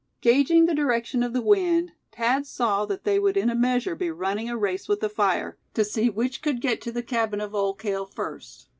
Gauging the direction of the wind, Thad saw that they would in a measure be running a race with the fire, to see which could get to the cabin of Old Cale first.